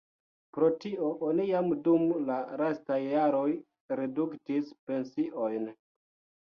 Pro tio oni jam dum la lastaj jaroj reduktis pensiojn.